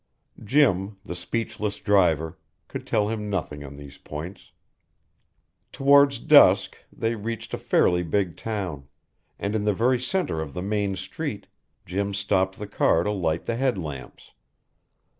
Jim, the speechless driver, could tell him nothing on these points. Towards dusk they reached a fairly big town, and in the very centre of the main street, Jim stopped the car to light the headlamps.